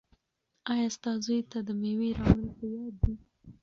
ایا ستا زوی ته د مېوې راوړل په یاد دي؟